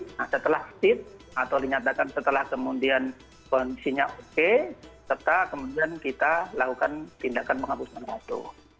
nah setelah stip atau dinyatakan setelah kemudian kondisinya oke serta kemudian kita lakukan tindakan menghapuskan waktu